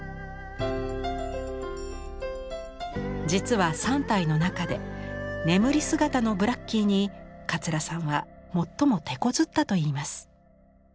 実は３体の中で眠り姿のブラッキーに桂さんは最もてこずったといいます。